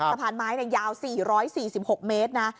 สะพานไม้ยาว๔๔๖เมตรนะ